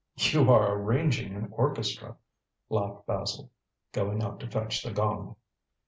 "You are arranging an orchestra," laughed Basil, going out to fetch the gong.